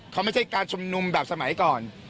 เขาไม่ใช่การชุมนุมแบบสมัยก่อน